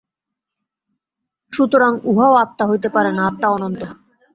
সুতরাং উহাও আত্মা হইতে পারে না, আত্মা অনন্ত।